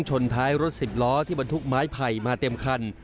ชนท้ายรถสิบล้อที่บรรทุกไม้ไผ่มาเต็มคัน